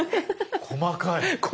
細かい。